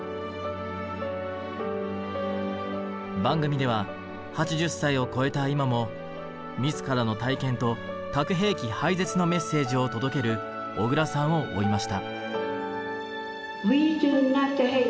番組では８０歳を超えた今も自らの体験と核兵器廃絶のメッセージを届ける小倉さんを追いました。